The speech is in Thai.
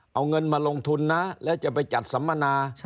เอาเงินมาลงทุนนะแล้วจะไปจัดสัมมนา